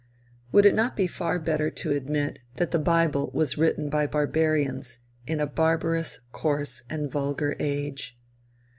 Would it not be far better to admit that the bible was written by barbarians in a barbarous, coarse and vulgar age?